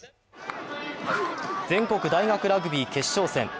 全国大学ラグビー決勝戦。